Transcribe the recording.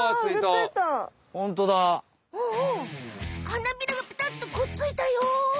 はなびらがペタっとくっついたよ。